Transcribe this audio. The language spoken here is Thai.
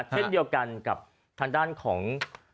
เช่นเดียวกันกับทางด้านของ